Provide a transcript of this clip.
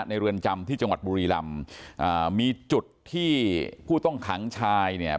เรือนจำที่จังหวัดบุรีลำอ่ามีจุดที่ผู้ต้องขังชายเนี่ย